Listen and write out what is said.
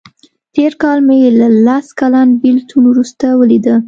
تېر کال مې له لس کلن بیلتون وروسته ولیده.